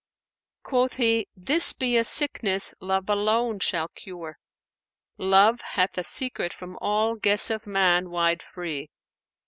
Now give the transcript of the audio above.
Quoth he, 'This be a sickness Love alone shall cure; * Love hath a secret from all guess of man wide free.'